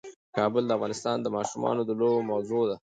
کابل د افغان ماشومانو د لوبو موضوع ده.